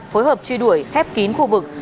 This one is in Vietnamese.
phối hợp truy đuổi hép kín khu vực